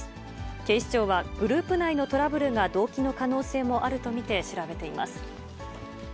警視庁はグループ内のトラブルが動機の可能性もあると見て、調べています。